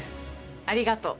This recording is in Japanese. ありがとう。